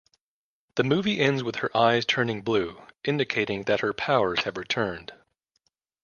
The movie ends with her eyes turning blue, indicating that her powers have returned.